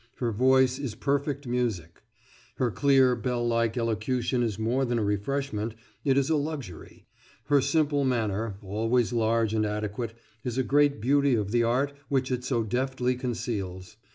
Her voice is perfect music. Her clear, bell like elocution is more than a refreshment, it is a luxury. Her simple manner, always large and adequate, is a great beauty of the art which it so deftly conceals.